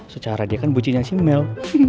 secara dia kan bucinya si mel